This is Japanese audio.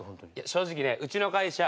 正直ねうちの会社